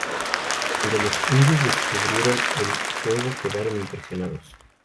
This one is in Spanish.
Cuando los indios descubrieron el juego quedaron impresionados.